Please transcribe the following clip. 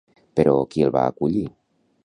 Però, qui el va acollir?